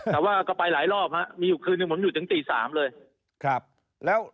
แต่ว่าก็ไปหลายรอบฮะมีอยู่คืนหนึ่งผมอยู่ถึงตี๓เลย